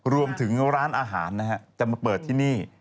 รวมถึงร้านอาหารนะฮะจะมาเปิดที่นี่